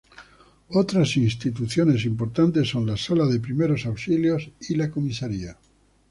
Otras instituciones importantes son la Sala de primeros auxilios y la Comisaría.